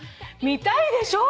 見たいでしょ？